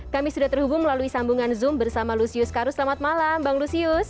kami sudah terhubung melalui sambungan zoom bersama lusius karus selamat malam bang lusius